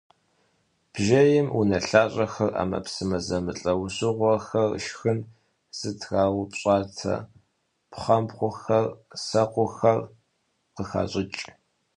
Бжейм унэлъащӏэхэр, ӏэмэпсымэ зэмылӏэужьыгъуэхэр, шхын зытраупщӏатэ пхъэбгъухэр, сэкъухэр къыхащӏыкӏ.